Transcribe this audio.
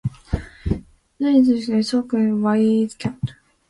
It is isostructural with calcite.